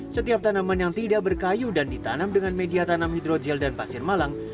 setiap tanaman yang tidak berkayu dan ditanam dengan media tanam hidrogel dan pasir malang